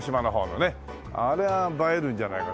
あれは映えるんじゃないか。